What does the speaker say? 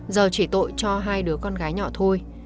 giờ chỉ tội cho hai đứa con gái nhỏ thôi